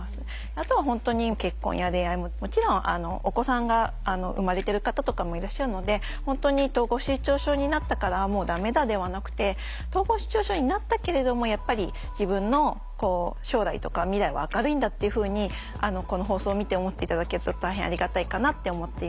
あとは本当に結婚や恋愛ももちろんお子さんが生まれてる方とかもいらっしゃるので本当に統合失調症になったからもうダメだではなくて統合失調症になったけれどもやっぱり自分の将来とか未来は明るいんだっていうふうにこの放送を見て思って頂けると大変ありがたいかなって思っています。